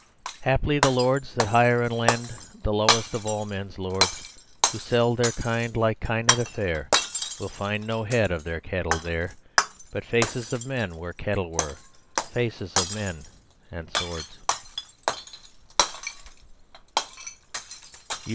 Haply the lords that hire and lend The lowest of all men's lords, Who sell their kind like kine at a fair, Will find no head of their cattle there; But faces of men where cattle were: Faces of men and Swords.